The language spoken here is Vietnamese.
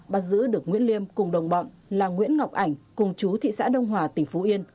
bắt giữ được nguyễn liêm cùng đồng bọn là nguyễn ngọc ảnh cùng chú thị xã đông hòa tỉnh phú yên